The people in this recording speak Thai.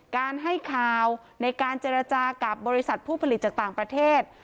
การให้ข่าวในการเจรจากับบริษัทผู้ผลิตจากต่างประเทศ